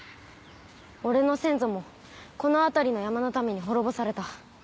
俺の先祖もこの辺りの山の民に滅ぼされた。